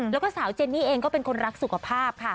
แล้วก็สาวเจนนี่เองก็เป็นคนรักสุขภาพค่ะ